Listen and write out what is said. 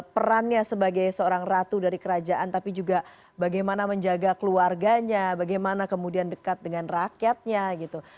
perannya sebagai seorang ratu dari kerajaan tapi juga bagaimana menjaga keluarganya bagaimana kemudian dekat dengan rakyatnya gitu